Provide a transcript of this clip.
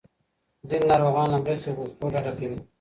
ځینې ناروغان له مرستې غوښتو ډډه کوي.